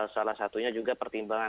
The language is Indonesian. salah satunya juga pertimbangan